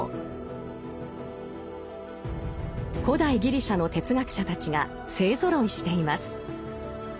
古代ギリシャの哲学者たちが勢ぞろいしています。